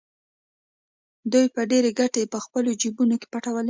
دوی به ډېرې ګټې په خپلو جېبونو کې پټولې